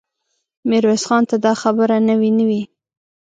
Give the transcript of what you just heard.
ميرويس خان ته دا خبرې نوې نه وې.